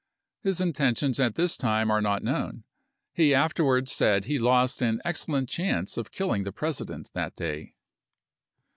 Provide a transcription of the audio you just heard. His intentions at this time are not known ; p™t.n' he afterwards said he lost an excellent chance of killing the President that day.